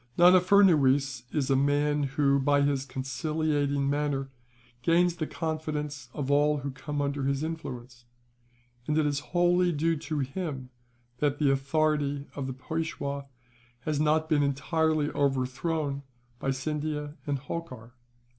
"Nana Furnuwees is a man who, by his conciliating manner, gains the confidence of all who come under his influence; and it is wholly due to him that the authority of the Peishwa has not been entirely overthrown by Scindia and Holkar.